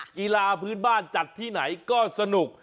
กีฬาพื้นบ้านจัดที่ไหนก็สนุก